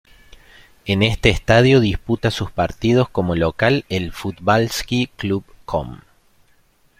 En este estadio disputa sus partidos como local el Fudbalski Klub Kom.